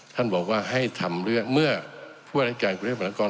ท่านบอกว่าให้ทำเรื่องเมื่อผู้ราชการกรุงเทพมหานคร